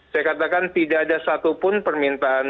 saya katakan tidak ada satupun permintaan